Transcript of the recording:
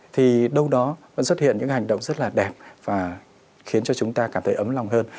thì đâu đó vẫn xuất hiện những hành động rất là đẹp và khiến cho chúng ta cảm thấy ấm lòng hơn